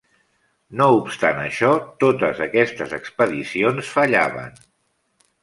No obstant això, totes aquestes expedicions fallaven.